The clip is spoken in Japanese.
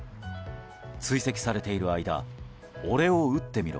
追跡されている間俺を撃ってみろ